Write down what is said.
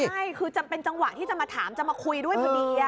ใช่คือจะเป็นจังหวะที่จะมาถามจะมาคุยด้วยพอดี